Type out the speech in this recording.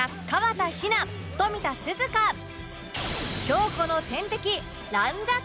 京子の天敵